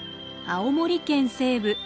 青森県西部